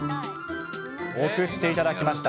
送っていただきました。